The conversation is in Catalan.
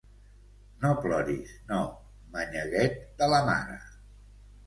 No ploris, no, manyaguet de la mare.